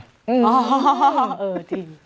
อ๋อเออจริง